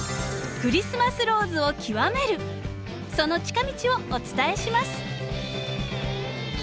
その近道をお伝えします。